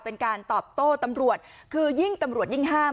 เป็นการตอบโต้ตำรวจคือยิ่งตำรวจยิ่งห้าม